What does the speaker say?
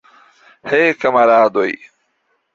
He, kamaradoj!